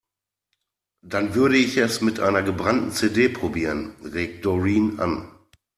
Dann würde ich es mit einer gebrannten CD probieren, regt Doreen an.